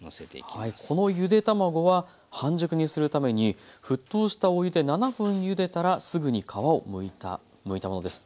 このゆで卵は半熟にするために沸騰したお湯で７分ゆでたらすぐに皮をむいたものです。